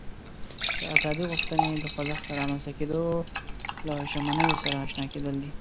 د ازادي غوښتنې د خوځښت له رامنځته کېدو له ژمینو سره آشنا کېدل دي.